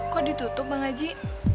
kok ditutup bang haji